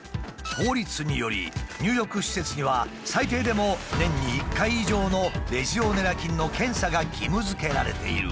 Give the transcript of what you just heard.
法律により入浴施設には最低でも年に１回以上のレジオネラ菌の検査が義務づけられている。